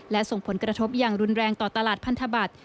และส่งผลกระทบอย่างรุนแรงต่อตลาดพันธบัตร